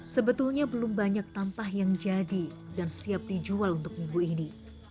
sebetulnya belum banyak tampah yang jadi dan siap dijual untuk minggu ini